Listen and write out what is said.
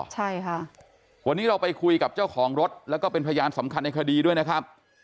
ใช่ค่ะวันนี้เราไปคุยกับเจ้าของรถแล้วก็เป็นพยานสำคัญในคดีด้วยนะครับ